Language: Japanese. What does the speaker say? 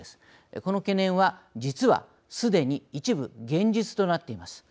この懸念は実は、すでに一部、現実となっています。